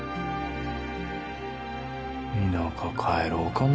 田舎帰ろうかな